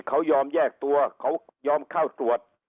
เขายอมแยกตัวเขายอมเข้าตรวจ